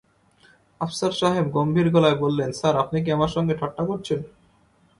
আফসার সাহেব গম্ভীর গলায় বললেন, স্যার, আপনি কি আমার সঙ্গে ঠাট্টা করছেন?